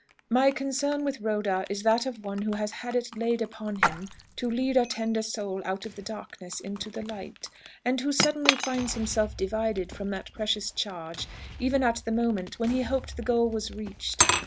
"My concern with Rhoda is that of one who has had it laid upon him to lead a tender soul out of the darkness into the light, and who suddenly finds himself divided from that precious charge, even at the moment when he hoped the goal was reached.